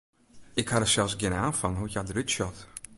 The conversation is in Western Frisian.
Ik ha der sels gjin aan fan hoe't hja derút sjocht.